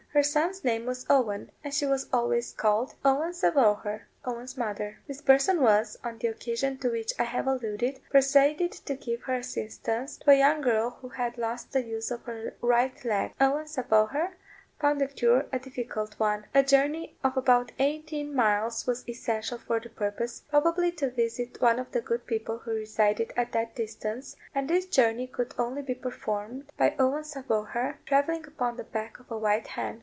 Her son's name was Owen, and she was always called Owen sa vauher (Owen's mother). This person was, on the occasion to which I have alluded, persuaded to give her assistance to a young girl who had lost the use of her right leg; Owen sa vauher found the cure a difficult one. A journey of about eighteen miles was essential for the purpose, probably to visit one of the good people who resided at that distance; and this journey could only be performed by Owen sa vauher travelling upon the back of a white hen.